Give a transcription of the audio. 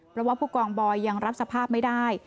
เพราะว่าผู้กองบอยยังรับสภาพไม่ได้